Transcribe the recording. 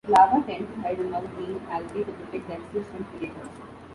Larva tend to hide among green algae to protect themselves from predators.